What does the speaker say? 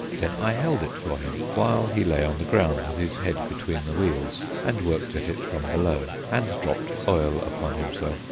Then I held it for him, while he lay on the ground with his head between the wheels, and worked at it from below, and dropped oil upon himself.